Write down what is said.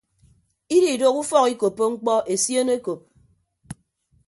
Ididooho ufọk ikoppo mkpọ esion ekop.